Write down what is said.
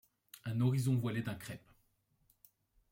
Un horizon voilé d’un crêpe